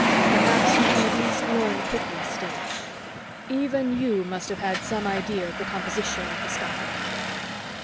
Perhaps you can at least learn quickly still. Even you must have had some idea of the composition of the sky?"